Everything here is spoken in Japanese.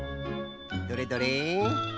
どれどれ？